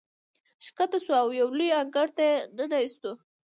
ښکته شوو او یو لوی انګړ ته یې ننه ایستو.